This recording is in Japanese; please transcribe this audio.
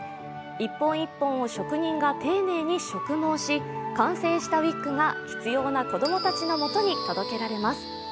１本１本を職人が丁寧に植毛し完成されたウイッグが必要な子供たちのもとへ届けられます。